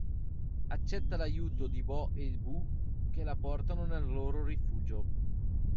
Accetta l'aiuto di Bo e Bu che la portano nel loro rifugio.